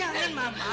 mama jangan mama